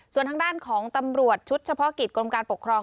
ส่วนทางด้านของตำรวจชุดเฉพาะกิจกรมการปกครอง